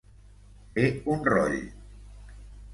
Fer un roll.